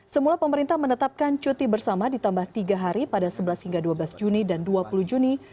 semula pemerintah menetapkan cuti bersama ditambah tiga hari pada sebelas hingga dua belas juni dan dua puluh juni